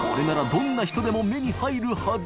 どんな人でも目に入るはず